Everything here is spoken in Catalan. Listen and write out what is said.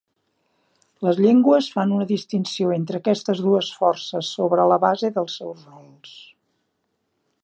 Les llengües fan una distinció entre aquestes dues forces sobre la base dels seus rols.